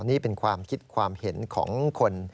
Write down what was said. นี่เป็นความคิดความเห็นของคน